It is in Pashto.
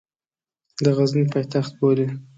د غزني پایتخت بولي.